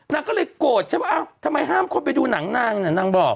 นางก็เลยโกรธฉันว่าอ้าวทำไมห้ามคนไปดูหนังนางเนี่ยนางบอก